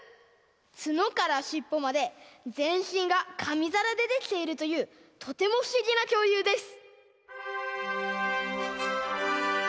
つのからしっぽまでぜんしんがかみざらでできているというとてもふしぎなきょうりゅうです。